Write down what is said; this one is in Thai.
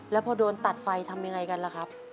แล้วพอโดนตัดไฟทำยังไงกันล่ะครับ